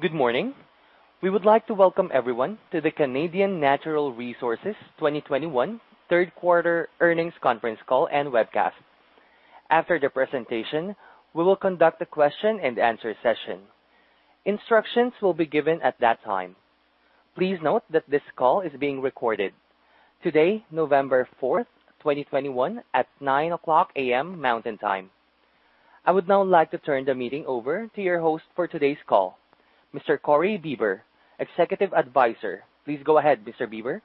Good morning. We would like to welcome everyone to the Canadian Natural Resources 2021 Third Quarter Earnings Conference Call and Webcast. After the presentation, we will conduct a question and answer session. Instructions will be given at that time. Please note that this call is being recorded today, November 4th, 2021, at 9:00 A.M. Mountain Time. I would now like to turn the meeting over to your host for today's call, Mr. Corey Bieber, Executive Advisor. Please go ahead, Mr. Bieber.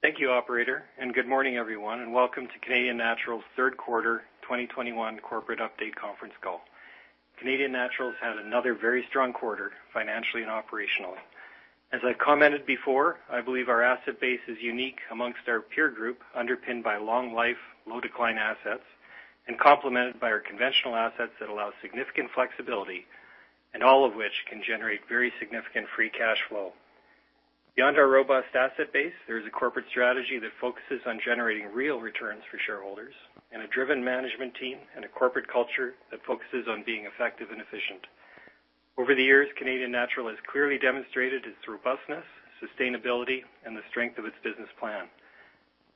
Thank you, operator, and good morning, everyone, and welcome to Canadian Natural's third quarter 2021 corporate update conference call. Canadian Natural has had another very strong quarter financially and operationally. As I've commented before, I believe our asset base is unique among our peer group, underpinned by long-life, low-decline assets, and complemented by our conventional assets that allow significant flexibility and all of which can generate very significant free cash flow. Beyond our robust asset base, there is a corporate strategy that focuses on generating real returns for shareholders and a driven management team and a corporate culture that focuses on being effective and efficient. Over the years, Canadian Natural has clearly demonstrated its robustness, sustainability, and the strength of its business plan.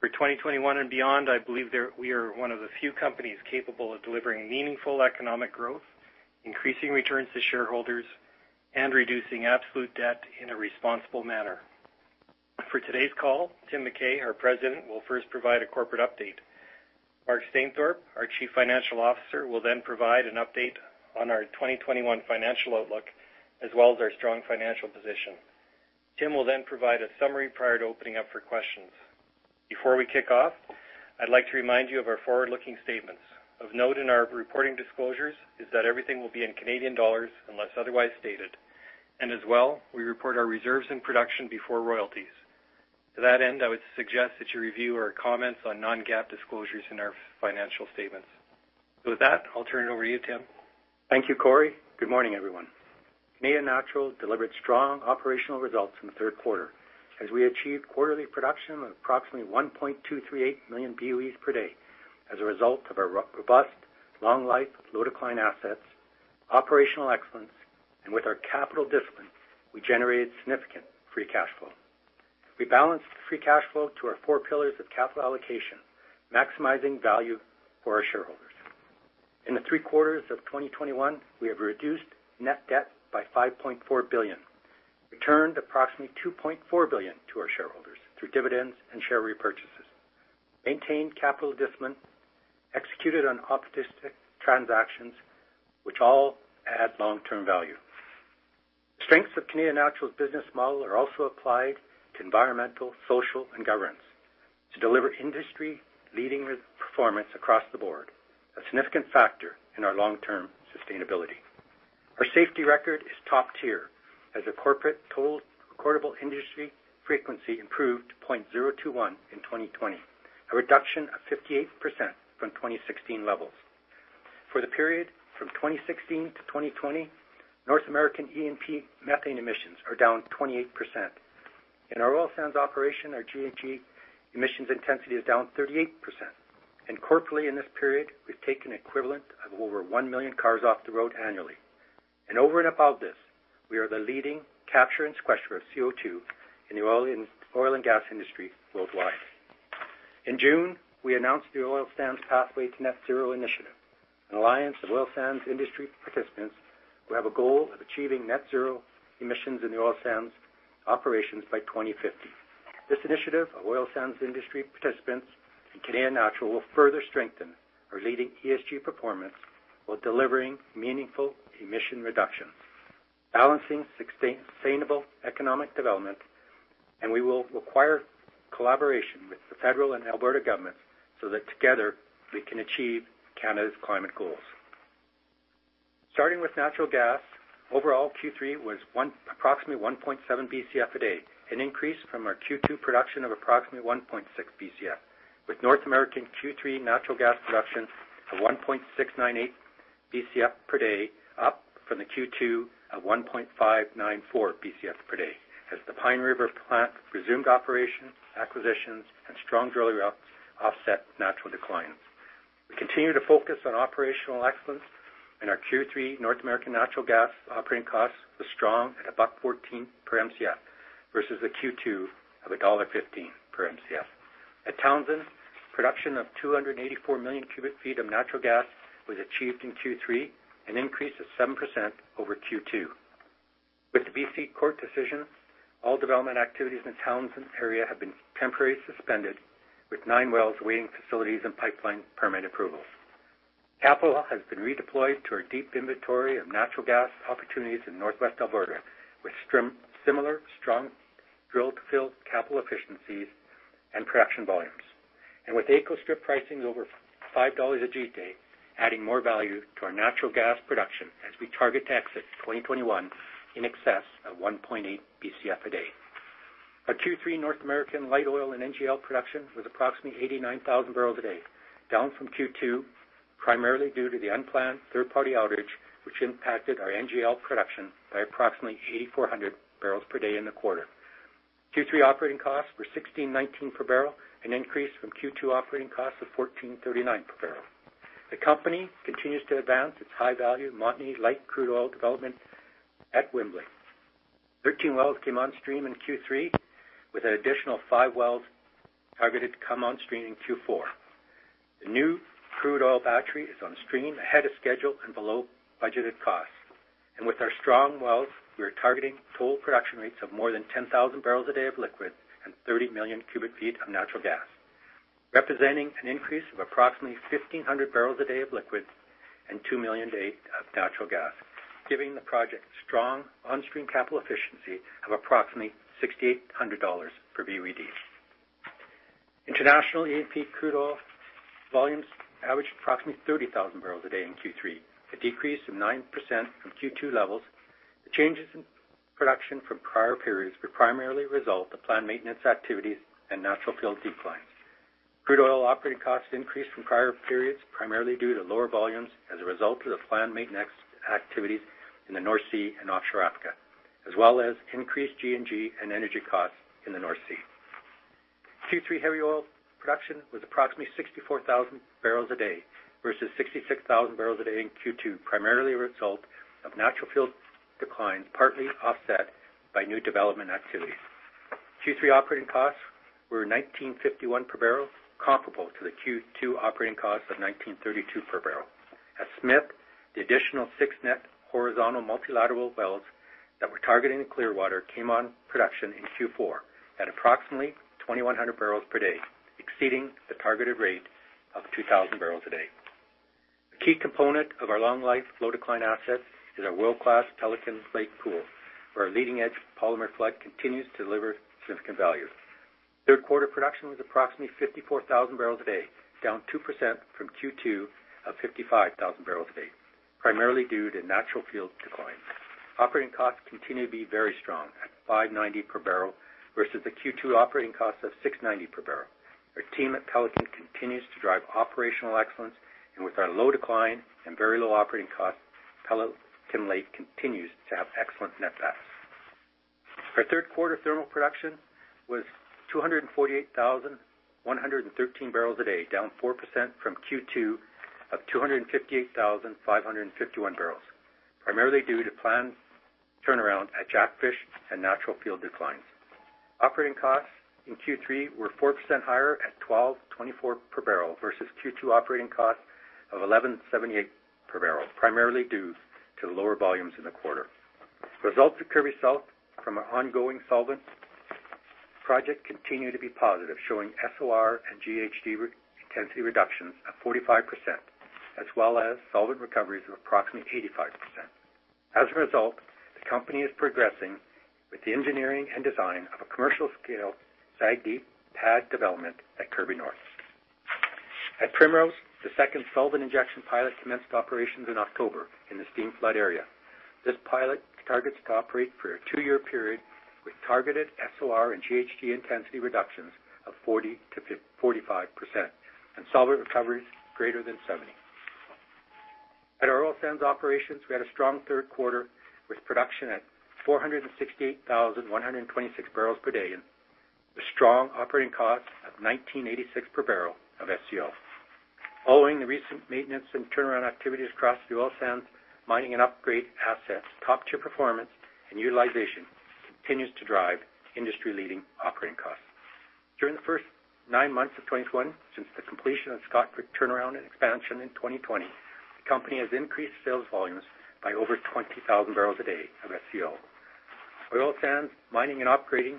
For 2021 and beyond, I believe we are one of the few companies capable of delivering meaningful economic growth, increasing returns to shareholders, and reducing absolute debt in a responsible manner. For today's call, Tim McKay, our President, will first provide a corporate update. Mark Stainthorpe, our Chief Financial Officer, will then provide an update on our 2021 financial outlook, as well as our strong financial position. Tim will then provide a summary prior to opening up for questions. Before we kick off, I'd like to remind you of our forward-looking statements. Of note in our reporting disclosures is that everything will be in Canadian dollars unless otherwise stated, and as well, we report our reserves in production before royalties. To that end, I would suggest that you review our comments on non-GAAP disclosures in our financial statements. With that, I'll turn it over to you, Tim. Thank you, Corey. Good morning, everyone. Canadian Natural delivered strong operational results in the third quarter as we achieved quarterly production of approximately 1.238 million BOEs per day as a result of our robust long-life, low-decline assets, operational excellence, and with our capital discipline, we generated significant free cash flow. We balanced free cash flow to our four pillars of capital allocation, maximizing value for our shareholders. In the three quarters of 2021, we have reduced net debt by 5.4 billion, returned approximately 2.4 billion to our shareholders through dividends and share repurchases, maintained capital discipline, executed on opportunistic transactions which all add long-term value. Strengths of Canadian Natural's business model are also applied to environmental, social, and governance to deliver industry-leading performance across the board, a significant factor in our long-term sustainability. Our safety record is top tier as a corporate total recordable industry frequency improved to 0.021 in 2020, a reduction of 58% from 2016 levels. For the period from 2016 to 2020, North American E&P methane emissions are down 28%. In our oil sands operation, our GHG emissions intensity is down 38%. Corporately, in this period, we've taken equivalent of over 1 million cars off the road annually. Over and above this, we are the leading capturer and sequesterer of CO2 in the oil and gas industry worldwide. In June, we announced the Oil Sands Pathways to Net Zero initiative, an alliance of oil sands industry participants who have a goal of achieving net zero emissions in the oil sands operations by 2050. This initiative of oil sands industry participants in Canadian Natural will further strengthen our leading ESG performance while delivering meaningful emission reductions, balancing sustainable economic development. We will require collaboration with the federal and Alberta government so that together we can achieve Canada's climate goals. Starting with natural gas, overall Q3 was approximately 1.7 Bcf a day, an increase from our Q2 production of approximately 1.6 Bcf, with North American Q3 natural gas production of 1.698 Bcf per day, up from the Q2 at 1.594 Bcf per day as the Pine River plant resumed operation, acquisitions, and strong drilling wells offset natural decline. We continue to focus on operational excellence in our Q3 North American natural gas operating costs was strong at 1.14 per Mcf versus the Q2 of dollar 1.15 per Mcf. At Townsend, production of 284 million cubic feet of natural gas was achieved in Q3, an increase of 7% over Q2. With the BC court decision, all development activities in the Townsend area have been temporarily suspended, with nine wells waiting facilities and pipeline permit approvals. Capital has been redeployed to our deep inventory of natural gas opportunities in Northwest Alberta, with similar strong drill-to-fill capital efficiencies and production volumes. With AECO strip pricing over 5 dollars a gigajoule, adding more value to our natural gas production as we target to exit 2021 in excess of 1.8 Bcf a day. Our Q3 North American light oil and NGL production was approximately 89,000 barrels a day, down from Q2, primarily due to the unplanned third-party outage, which impacted our NGL production by approximately 8,400 barrels per day in the quarter. Q3 operating costs were 16.19 per barrel, an increase from Q2 operating costs of 14.39 per barrel. The company continues to advance its high value Montney light crude oil development at Wembley. 13 wells came on stream in Q3, with an additional five wells targeted to come on stream in Q4. The new crude oil battery is on stream ahead of schedule and below budgeted costs. With our strong wells, we are targeting total production rates of more than 10,000 barrels a day of liquid and 30 million cubic feet of natural gas, representing an increase of approximately 1,500 barrels a day of liquid and 2 million a day of natural gas, giving the project strong on-stream capital efficiency of approximately 6,800 dollars per BOD. International E&P crude oil volumes averaged approximately 30,000 barrels a day in Q3, a decrease of 9% from Q2 levels. The changes in production from prior periods were primarily a result of planned maintenance activities and natural field declines. Crude oil operating costs increased from prior periods, primarily due to lower volumes as a result of the planned maintenance activities in the North Sea and offshore Africa, as well as increased C&G and energy costs in the North Sea. Q3 heavy oil production was approximately 64,000 barrels a day versus 66,000 barrels a day in Q2, primarily a result of natural field declines, partly offset by new development activities. Q3 operating costs were 19.51 per barrel, comparable to the Q2 operating costs of 19.32 per barrel. At Smith, the additional six net horizontal multilateral wells that were targeting the Clearwater came on production in Q4 at approximately 2,100 barrels a day, exceeding the targeted rate of 2,000 barrels a day. The key component of our long-life, low-decline assets is our world-class Pelican Lake Pool, where our leading-edge polymer flood continues to deliver significant value. Third quarter production was approximately 54,000 barrels a day, down 2% from Q2 of 55,000 barrels a day, primarily due to natural field declines. Operating costs continue to be very strong at 5.90 per barrel versus the Q2 operating cost of 6.90 per barrel. Our team at Pelican continues to drive operational excellence. With our low decline and very low operating costs, Pelican Lake continues to have excellent net backs. Our third quarter thermal production was 248,113 barrels a day, down 4% from Q2 of 258,551 barrels, primarily due to planned turnaround at Jackfish and natural field declines. Operating costs in Q3 were 4% higher at 12.24 per barrel versus Q2 operating costs of 11.78 per barrel, primarily due to the lower volumes in the quarter. Results at Kirby from our ongoing solvent project continued to be positive, showing SOR and GHG intensity reductions of 45%, as well as solvent recoveries of approximately 85%. As a result, the company is progressing with the engineering and design of a commercial scale SAGD pad development at Kirby North. At Primrose, the second solvent injection pilot commenced operations in October in the steam flood area. This pilot targets to operate for a two-year period with targeted SOR and GHG intensity reductions of 40%-45% and solvent recoveries greater than 70%. At our oil sands operations, we had a strong third quarter with production at 468,126 barrels per day and a strong operating cost of 19.86 per barrel of SCO. Following the recent maintenance and turnaround activities across the oil sands, mining, and upgrade assets, top-tier performance and utilization continues to drive industry-leading operating costs. During the first nine months of 2021, since the completion of Scotford turnaround and expansion in 2020, the company has increased sales volumes by over 20,000 barrels a day of SCO. Oil sands mining and upgrading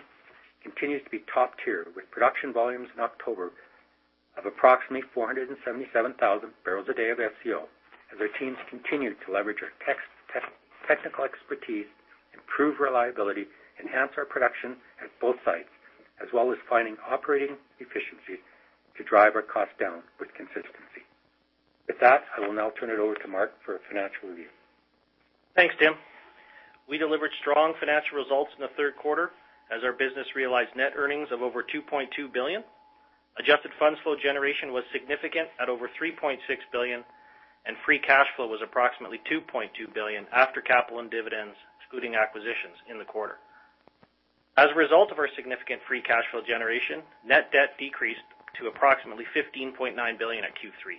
continues to be top tier, with production volumes in October of approximately 0.477 million barrels a day of SCO, as our teams continue to leverage our technical expertise, improve reliability, enhance our production at both sites, as well as finding operating efficiencies to drive our costs down with consistency. With that, I will now turn it over to Mark for a financial review. Thanks, Tim. We delivered strong financial results in the third quarter as our business realized net earnings of over 2.2 billion. Adjusted funds flow generation was significant at over 3.6 billion, and free cash flow was approximately 2.2 billion after capital and dividends, excluding acquisitions in the quarter. As a result of our significant free cash flow generation, net debt decreased to approximately 15.9 billion at Q3,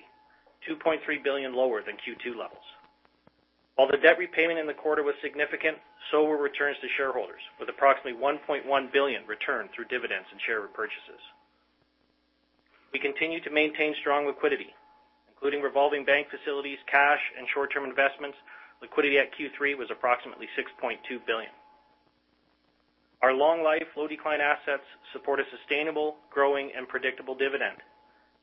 2.3 billion lower than Q2 levels. While the debt repayment in the quarter was significant, so were returns to shareholders with approximately 1.1 billion returned through dividends and share repurchases. We continue to maintain strong liquidity, including revolving bank facilities, cash, and short-term investments. Liquidity at Q3 was approximately 6.2 billion. Our long life, low decline assets support a sustainable, growing, and predictable dividend.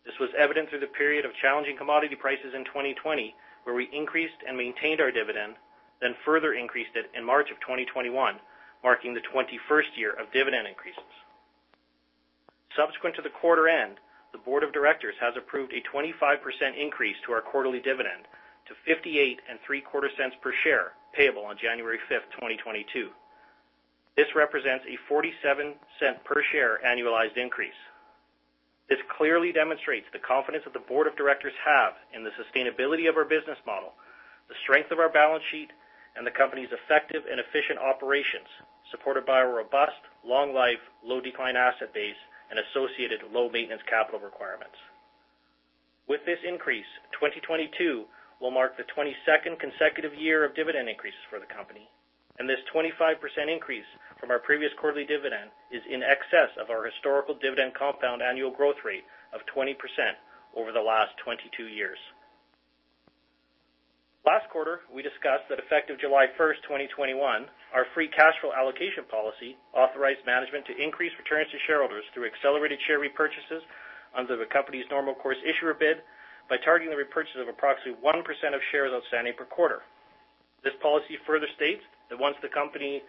This was evident through the period of challenging commodity prices in 2020, where we increased and maintained our dividend, then further increased it in March of 2021, marking the 21st year of dividend increases. Subsequent to the quarter end, the Board of Directors has approved a 25% increase to our quarterly dividend to 0.5875 per share, payable on January 5th, 2022. This represents a 0.47 per share annualized increase. It clearly demonstrates the confidence that the Board of Directors have in the sustainability of our business model, the strength of our balance sheet, and the company's effective and efficient operations, supported by our robust, long-life, low-decline asset base and associated low maintenance capital requirements. With this increase, 2022 will mark the 22nd consecutive year of dividend increases for the company, and this 25% increase from our previous quarterly dividend is in excess of our historical dividend compound annual growth rate of 20% over the last 22 years. Last quarter, we discussed that effective July 1st, 2021, our free cash flow allocation policy authorized management to increase returns to shareholders through accelerated share repurchases under the company's normal course issuer bid by targeting the repurchase of approximately 1% of shares outstanding per quarter. This policy further states that once the company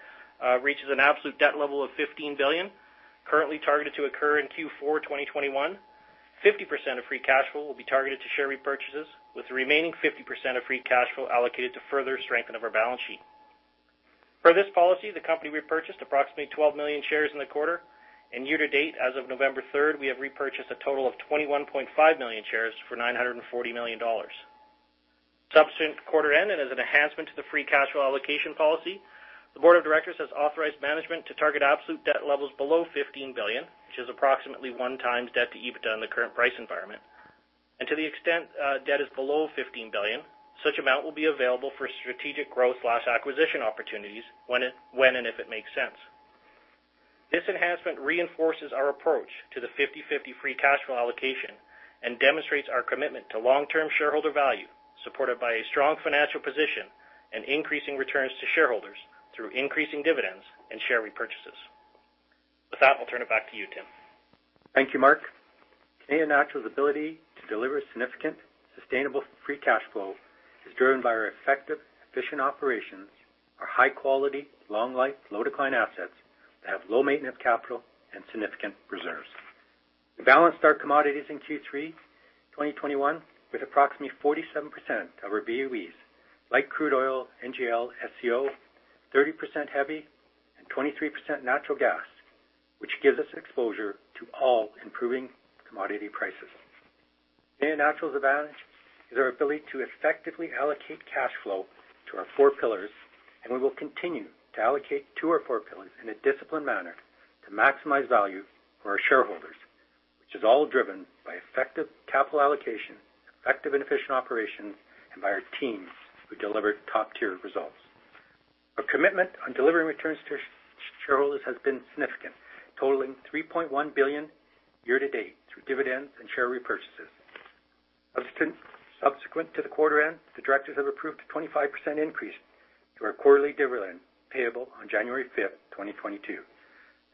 reaches an absolute debt level of CAD 15 billion, currently targeted to occur in Q4 2021, 50% of free cash flow will be targeted to share repurchases, with the remaining 50% of free cash flow allocated to further strengthening of our balance sheet. Per this policy, the company repurchased approximately 12 million shares in the quarter. Year to date, as of November 3rd, we have repurchased a total of 21.5 million shares for 940 million dollars. Subsequent to quarter end and as an enhancement to the free cash flow allocation policy, the board of directors has authorized management to target absolute debt levels below 15 billion, which is approximately 1x debt to EBITDA in the current price environment. To the extent debt is below 15 billion, such amount will be available for strategic growth or acquisition opportunities when and if it makes sense. This enhancement reinforces our approach to the 50/50 free cash flow allocation and demonstrates our commitment to long-term shareholder value, supported by a strong financial position and increasing returns to shareholders through increasing dividends and share repurchases. With that, I'll turn it back to you, Tim. Thank you, Mark. Canadian Natural's ability to deliver significant, sustainable free cash flow is driven by our effective, efficient operations, our high quality, long-life, low-decline assets that have low maintenance capital and significant reserves. We balanced our commodities in Q3 2021 with approximately 47% of our BOEs, light crude oil, NGL, SCO, 30% heavy and 23% natural gas, which gives us exposure to all improving commodity prices. Canadian Natural's advantage is our ability to effectively allocate cash flow to our four pillars, and we will continue to allocate to our four pillars in a disciplined manner to maximize value for our shareholders, which is all driven by effective capital allocation, effective and efficient operations, and by our teams who deliver top-tier results. Our commitment on delivering returns to shareholders has been significant, totaling $3.1 billion year to date through dividends and share repurchases. Subsequent to the quarter end, the directors have approved a 25% increase to our quarterly dividend payable on January 5th, 2022.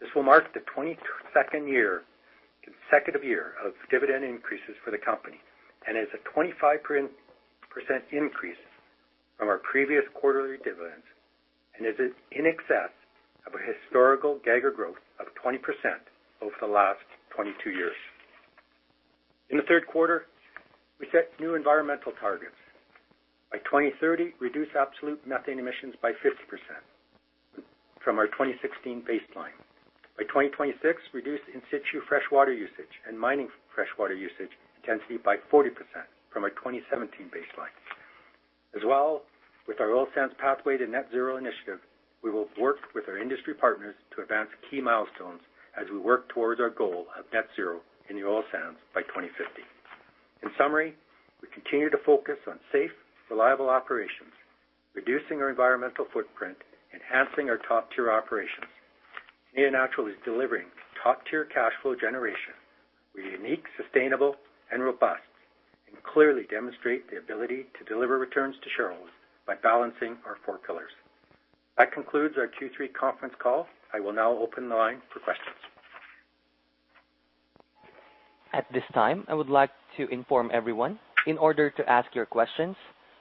This will mark the 22nd consecutive year of dividend increases for the company and is a 25% increase from our previous quarterly dividends and is in excess of a historical CAGR growth of 20% over the last 22 years. In the third quarter, we set new environmental targets. By 2030, reduce absolute methane emissions by 50% from our 2016 baseline. By 2026, reduce in situ fresh water usage and mining fresh water usage intensity by 40% from our 2017 baseline. As well, with our Oil Sands Pathways to Net Zero initiative, we will work with our industry partners to advance key milestones as we work towards our goal of net zero in the oil sands by 2050. In summary, we continue to focus on safe, reliable operations, reducing our environmental footprint, enhancing our top-tier operations. Canadian Natural is delivering top-tier cash flow generation. We're unique, sustainable and robust and clearly demonstrate the ability to deliver returns to shareholders by balancing our four pillars. That concludes our Q3 conference call. I will now open the line for questions. At this time, I would like to inform everyone, in order to ask your questions,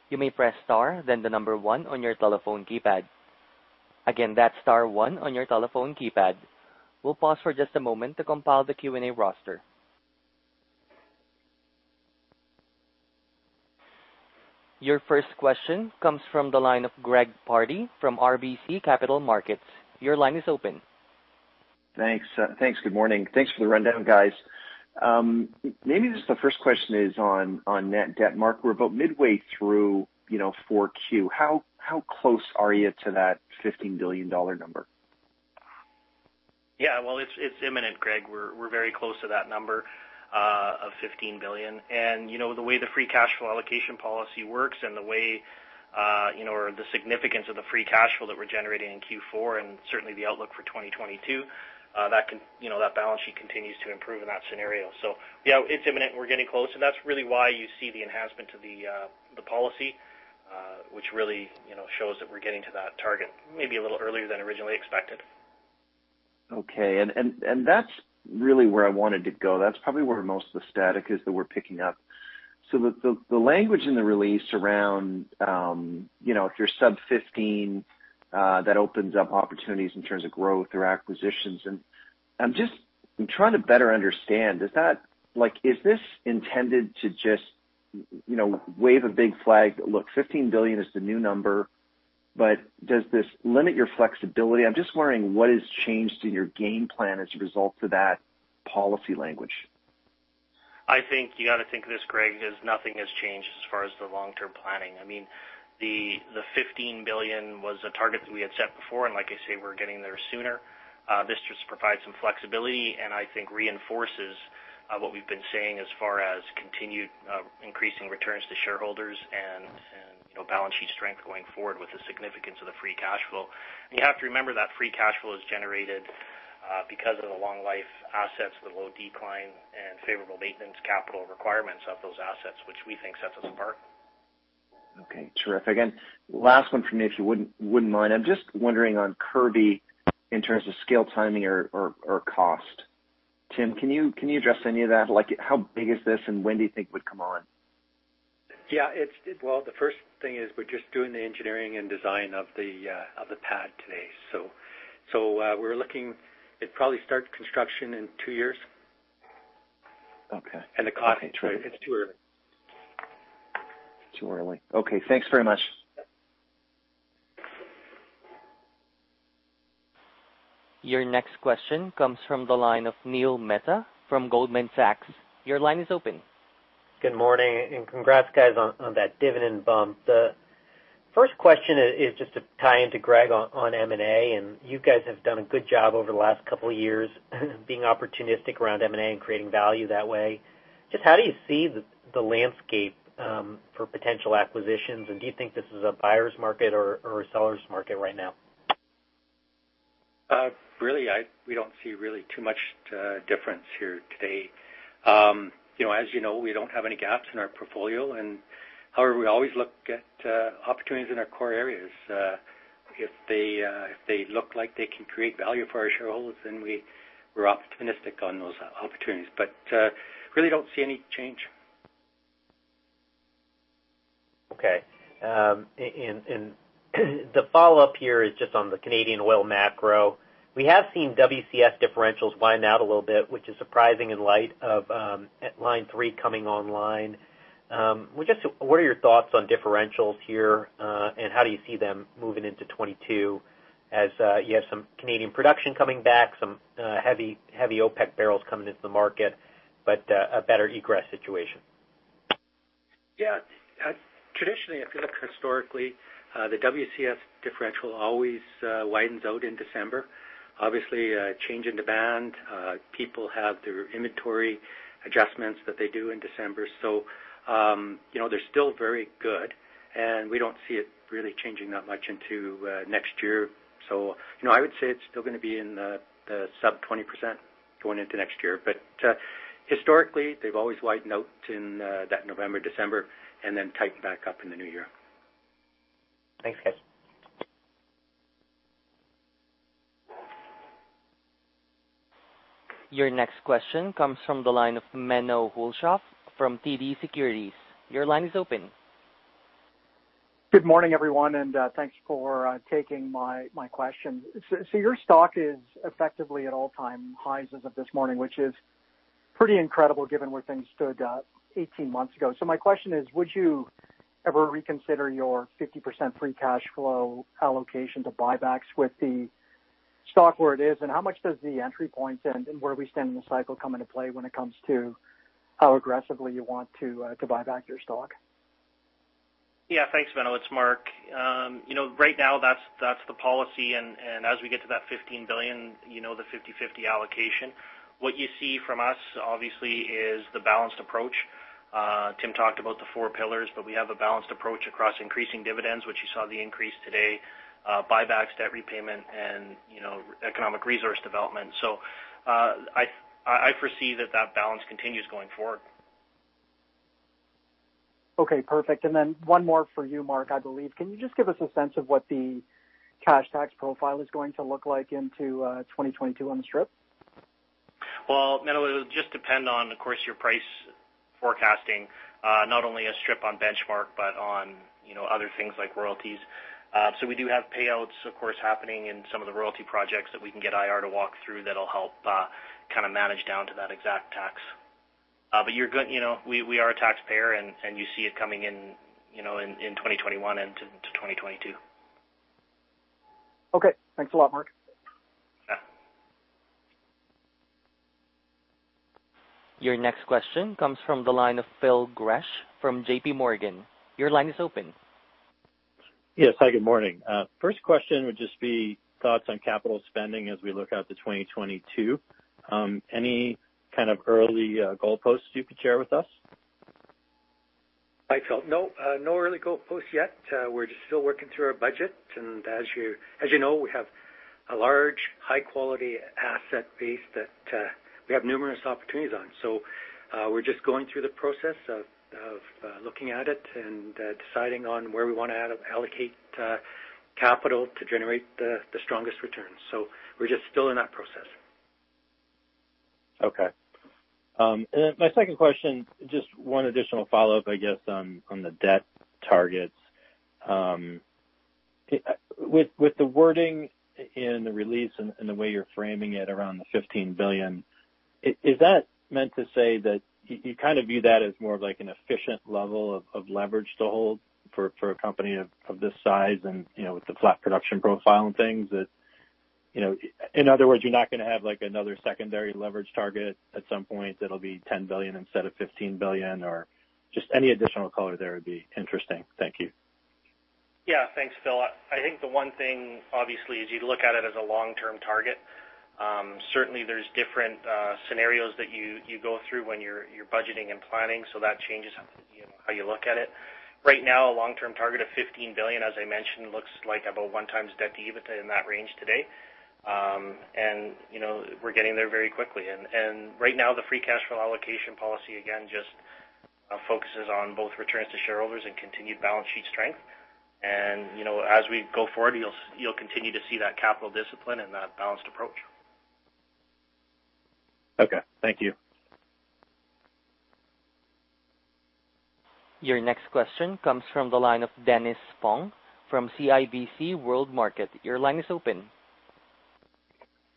you may press star then the number one on your telephone keypad. Again, that's star one on your telephone keypad. We'll pause for just a moment to compile the Q&A roster. Your first question comes from the line of Gregory Pardy from RBC Capital Markets. Your line is open. Thanks. Good morning. Thanks for the rundown, guys. Maybe just the first question is on net debt, Mark. We're about midway through, you know, 4Q. How close are you to that 15 billion dollar number? Yeah. Well, it's imminent, Greg. We're very close to that number of 15 billion. You know, the way the free cash flow allocation policy works and the way, you know, or the significance of the free cash flow that we're generating in Q4 and certainly the outlook for 2022, you know, that balance sheet continues to improve in that scenario. Yeah, it's imminent and we're getting close. That's really why you see the enhancement to the policy, which really, you know, shows that we're getting to that target maybe a little earlier than originally expected. Okay. That's really where I wanted to go. That's probably where most of the static is that we're picking up. The language in the release around, you know, if you're sub CAD 15 billion, that opens up opportunities in terms of growth or acquisitions. I'm trying to better understand, like, is this intended to just, you know, wave a big flag that, look, 15 billion is the new number? Does this limit your flexibility? I'm just wondering what has changed in your game plan as a result of that policy language. I think you gotta think of this, Greg, as nothing has changed as far as the long-term planning. I mean, the 15 billion was a target that we had set before. Like I say, we're getting there sooner. This just provides some flexibility and I think reinforces what we've been saying as far as continued increasing returns to shareholders and, you know, balance sheet strength going forward with the significance of the free cash flow. You have to remember that free cash flow is generated because of the long-life assets with low decline and favorable maintenance capital requirements of those assets, which we think sets us apart. Okay. Terrific. Last one from me, if you wouldn't mind. I'm just wondering on Kirby in terms of scale, timing or cost. Tim, can you address any of that? Like how big is this and when do you think it would come on? Yeah. Well, the first thing is we're just doing the engineering and design of the pad today. So, we're looking. It'd probably start construction in two years. Okay. The cost, it's too early. Too early. Okay. Thanks very much. Yeah. Your next question comes from the line of Neil Mehta from Goldman Sachs. Your line is open. Good morning and congrats, guys, on that dividend bump. The first question is just to tie into Greg on M&A, and you guys have done a good job over the last couple of years being opportunistic around M&A and creating value that way. Just how do you see the landscape for potential acquisitions? Do you think this is a buyer's market or a seller's market right now? Really, we don't see really too much difference here today. You know, as you know, we don't have any gaps in our portfolio, however, we always look at opportunities in our core areas. If they look like they can create value for our shareholders, then we're optimistic on those opportunities. Really don't see any change. Okay. And the follow-up here is just on the Canadian oil macro. We have seen WCS differentials wind out a little bit, which is surprising in light of Line 3 coming online. Well, just what are your thoughts on differentials here, and how do you see them moving into 2022 as you have some Canadian production coming back, some heavy OPEC barrels coming into the market, but a better egress situation? Yeah. Traditionally, if you look historically, the WCS differential always widens out in December. Obviously, change in demand, people have their inventory adjustments that they do in December. You know, they're still very good, and we don't see it really changing that much into next year. You know, I would say it's still gonna be in the sub 20% going into next year. Historically, they've always widened out in that November, December, and then tighten back up in the new year. Thanks, guys. Your next question comes from the line of Menno Hulshof from TD Securities. Your line is open. Good morning, everyone, and thanks for taking my question. Your stock is effectively at all-time highs as of this morning, which is pretty incredible given where things stood 18 months ago. My question is, would you ever reconsider your 50% free cash flow allocation to buybacks with the stock where it is? How much does the entry point and where we stand in the cycle come into play when it comes to how aggressively you want to buy back your stock? Yeah. Thanks, Menno. It's Mark. You know, right now, that's the policy. As we get to that 15 billion, you know, the 50/50 allocation. What you see from us obviously is the balanced approach. Tim talked about the four pillars, but we have a balanced approach across increasing dividends, which you saw the increase today, buybacks, debt repayment, and, you know, economic resource development. I foresee that that balance continues going forward. Okay. Perfect. One more for you, Mark, I believe. Can you just give us a sense of what the cash tax profile is going to look like into 2022 on the strip? Well, Menno, it'll just depend on, of course, your price forecasting, not only a strip on benchmark, but on, you know, other things like royalties. We do have payouts, of course, happening in some of the royalty projects that we can get IR to walk through that'll help kind of manage down to that exact tax. You're good. You know, we are a taxpayer, and you see it coming in, you know, in 2021 into 2022. Okay. Thanks a lot, Mark. Yeah. Your next question comes from the line of Philip Gresh from J.P. Morgan. Your line is open. Yes. Hi, good morning. First question would just be thoughts on capital spending as we look out to 2022. Any kind of early goalposts you could share with us? Hi, Phil. No early goalposts yet. We're just still working through our budget. As you know, we have a large, high quality asset base that we have numerous opportunities on. We're just going through the process of looking at it and deciding on where we wanna allocate capital to generate the strongest returns. We're just still in that process. Okay. My second question, just one additional follow-up, I guess, on the debt targets. With the wording in the release and the way you're framing it around the 15 billion. Is that meant to say that you kind of view that as more of like an efficient level of leverage to hold for a company of this size and, you know, with the flat production profile and things that, you know, in other words, you're not gonna have like another secondary leverage target at some point that'll be 10 billion instead of 15 billion or just any additional color there would be interesting. Thank you. Yeah. Thanks, Phil. I think the one thing obviously is you look at it as a long-term target. Certainly there's different scenarios that you go through when you're budgeting and planning, so that changes, you know, how you look at it. Right now, a long-term target of 15 billion, as I mentioned, looks like about 1x debt to EBITDA in that range today. You know, we're getting there very quickly. Right now the free cash flow allocation policy again just focuses on both returns to shareholders and continued balance sheet strength. You know, as we go forward, you'll continue to see that capital discipline and that balanced approach. Okay, thank you. Your next question comes from the line of Dennis Fong from CIBC World Markets. Your line is open.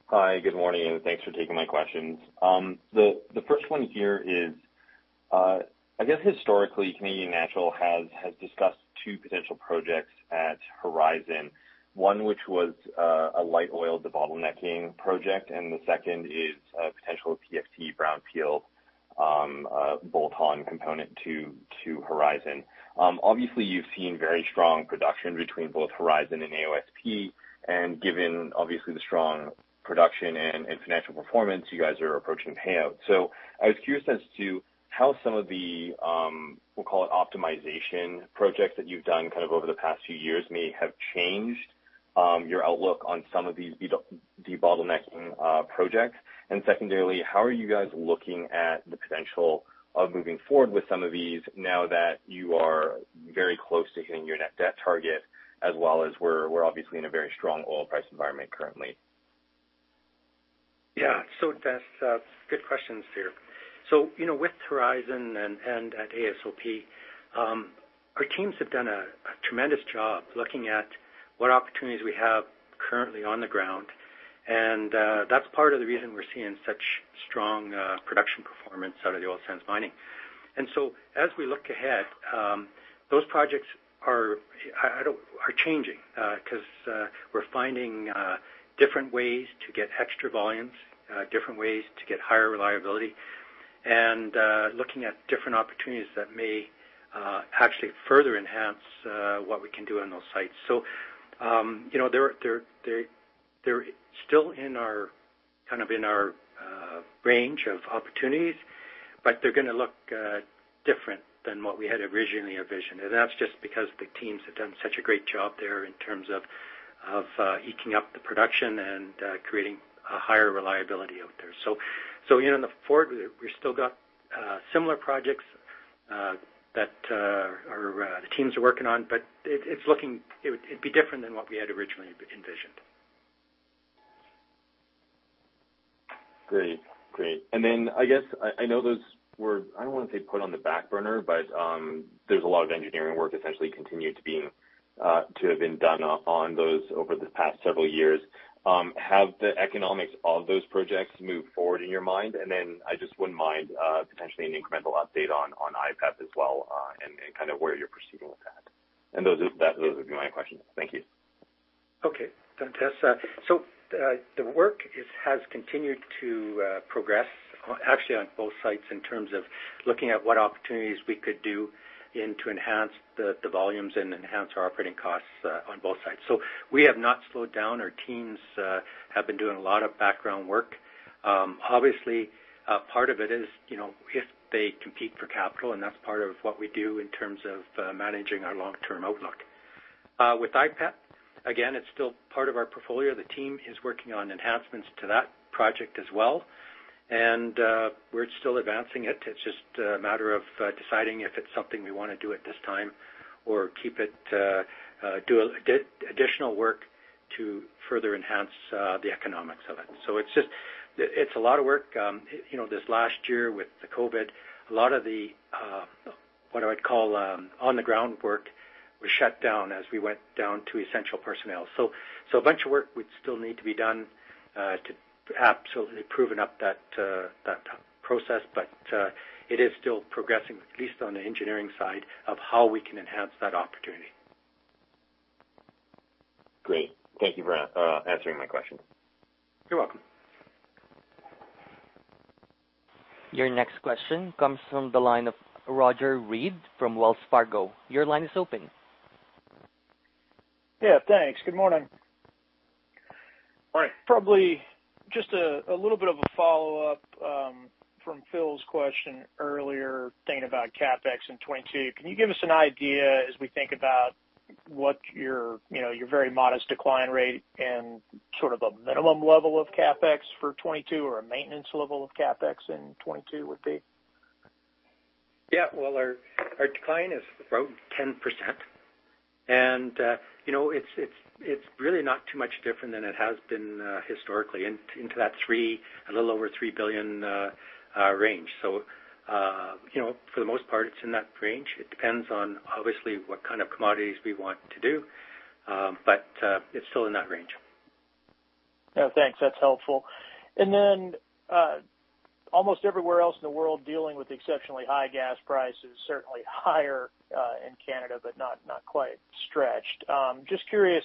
Hi, good morning, and thanks for taking my questions. The first one here is, I guess, historically, Canadian Natural has discussed two potential projects at Horizon. One which was a light oil debottlenecking project, and the second is a potential PFT Brownfield bolt-on component to Horizon. Obviously you've seen very strong production between both Horizon and AOSP, and given obviously the strong production and financial performance, you guys are approaching payout. I was curious as to how some of the, we'll call it optimization projects that you've done kind of over the past few years may have changed your outlook on some of these debottlenecking projects. Secondarily, how are you guys looking at the potential of moving forward with some of these now that you are very close to hitting your net debt target as well as we're obviously in a very strong oil price environment currently? Dennis, good questions there. You know, with Horizon and at AOSP, our teams have done a tremendous job looking at what opportunities we have currently on the ground. That's part of the reason we're seeing such strong production performance out of the oil sands mining. As we look ahead, those projects are changing 'cause we're finding different ways to get extra volumes, different ways to get higher reliability and looking at different opportunities that may actually further enhance what we can do on those sites. You know, they're still kind of in our range of opportunities, but they're gonna look different than what we had originally envisioned. That's just because the teams have done such a great job there in terms of ramping up the production and creating a higher reliability out there. You know, going forward we've still got similar projects that the teams are working on, but it's looking different than what we had originally envisioned. Great. I guess I know those were. I don't wanna say put on the back burner, but there's a lot of engineering work essentially to have been done on those over the past several years. Have the economics of those projects moved forward in your mind? I just wouldn't mind potentially an incremental update on IPP as well, and kind of where you're proceeding with that. Those would be my questions. Thank you. Okay. Dennis, the work has continued to progress actually on both sites in terms of looking at what opportunities we could do and to enhance the volumes and enhance our operating costs on both sides. We have not slowed down. Our teams have been doing a lot of background work. Obviously, part of it is, you know, if they compete for capital, and that's part of what we do in terms of managing our long-term outlook. With IPP, again, it's still part of our portfolio. The team is working on enhancements to that project as well, and we're still advancing it. It's just a matter of deciding if it's something we wanna do at this time or keep it, do additional work to further enhance the economics of it. It's just a lot of work. You know, this last year with the COVID, a lot of the what I would call on-the-ground work was shut down as we went down to essential personnel. A bunch of work would still need to be done to absolutely proven up that process. It is still progressing, at least on the engineering side of how we can enhance that opportunity. Great. Thank you for answering my question. You're welcome. Your next question comes from the line of Roger Read from Wells Fargo. Your line is open. Yeah, thanks. Good morning. All right. Probably just a little bit of a follow-up from Phil's question earlier thinking about CapEx in 2022. Can you give us an idea as we think about what your, you know, your very modest decline rate and sort of a minimum level of CapEx for 2022 or a maintenance level of CapEx in 2022 would be? Yeah. Well, our decline is around 10%. You know, it's really not too much different than it has been historically into that 3 billion, a little over 3 billion range. You know, for the most part, it's in that range. It depends on obviously what kind of commodities we want to do. It's still in that range. Yeah. Thanks. That's helpful. Then, almost everywhere else in the world dealing with exceptionally high gas prices, certainly higher in Canada, but not quite stretched. Just curious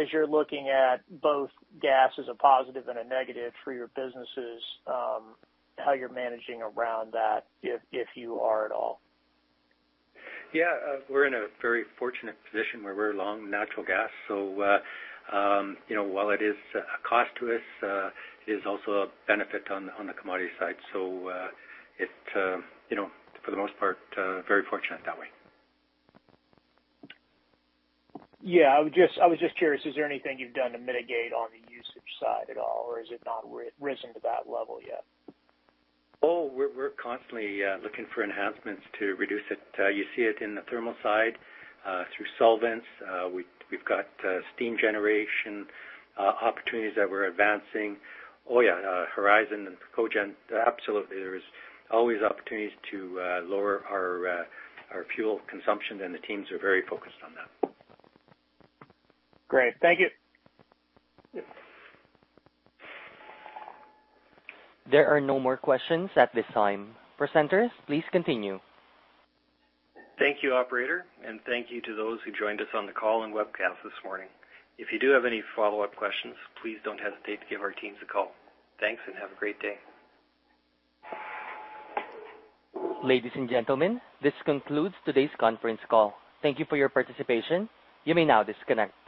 as you're looking at both gas as a positive and a negative for your businesses, how you're managing around that, if you are at all. Yeah, we're in a very fortunate position where we're long natural gas, so, you know, while it is a cost to us, it is also a benefit on the commodity side. You know, for the most part, very fortunate that way. Yeah. I was just curious, is there anything you've done to mitigate on the usage side at all, or has it not risen to that level yet? We're constantly looking for enhancements to reduce it. You see it in the thermal side through solvents. We've got steam generation opportunities that we're advancing. Horizon and COGEN. Absolutely, there is always opportunities to lower our fuel consumption, and the teams are very focused on that. Great. Thank you. Yep. There are no more questions at this time. Presenters, please continue. Thank you, operator, and thank you to those who joined us on the call and webcast this morning. If you do have any follow-up questions, please don't hesitate to give our teams a call. Thanks, and have a great day. Ladies and gentlemen, this concludes today's conference call. Thank you for your participation. You may now disconnect.